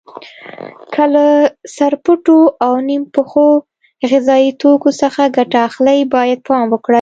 که له سرپټو او نیم پخو غذایي توکو څخه ګټه اخلئ باید پام وکړئ.